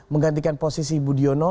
menggantikan posisi budiono